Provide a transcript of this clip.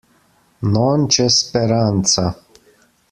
Non c'è speranza.